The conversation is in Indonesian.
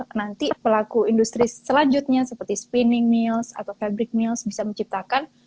hal hal tersebut merupakan fondasi awal agar nanti pelaku industri selanjutnya seperti spinning mills atau fabric mills bisa menciptakan